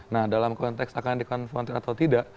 nah dalam konteks akan dikonfrontir atau tidak